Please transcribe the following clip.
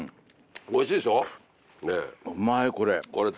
おいしいでしょ？